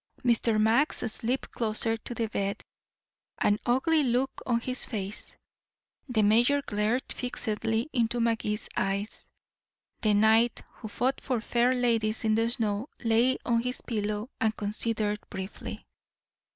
Mr. Max slipped closer to the bed, an ugly look on his face. The mayor glared fixedly into Magee's eyes. The knight who fought for fair ladies in the snow lay on his pillow and considered briefly.